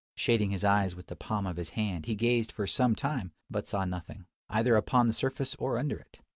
Shading his eyes with the palm of his hand, he gazed for some time, but saw nothing, either upon the surface or under it.